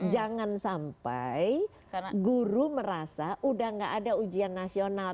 jangan sampai guru merasa udah gak ada ujian nasional